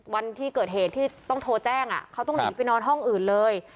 วันที่เกิดเหตุที่ต้องโทรแจ้งเขาต้องหนีไปนอนห้องอื่นเลย